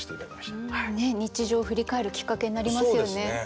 日常を振り返るきっかけになりますよね。